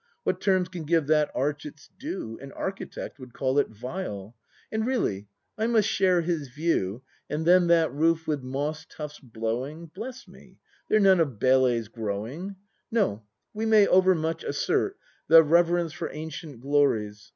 What terms can give that arch its due? An architect would call it vile; — And really I must share his view. And then that roof with moss tufts blowing,— Bless me, they're none of Bele's growing. No, we may overmuch assert The reverence for ancient glories!